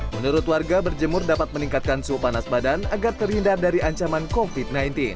menurut warga berjemur dapat meningkatkan suhu panas badan agar terhindar dari ancaman covid sembilan belas